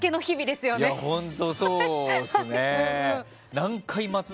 本当そうですね。